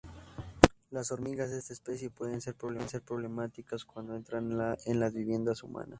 Las hormigas de esta especie pueden ser problemáticas cuando entran en las viviendas humanas.